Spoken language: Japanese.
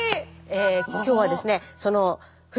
え今日はですね